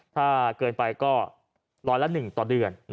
ถ้าเกินไปก็ร้อยละ๑ต่อเดือน